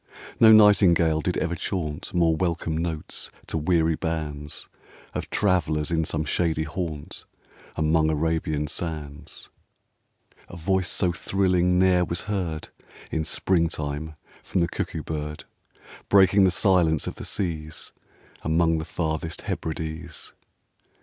No Nightingale did ever chaunt More welcome notes to weary bands Of travellers in some shady haunt, Among Arabian sands: A voice so thrilling ne'er was heard In spring time from the Cuckoo bird, Breaking the silence of the seas Among the farthest Hebrides.